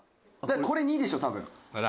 これ２でしょ多分」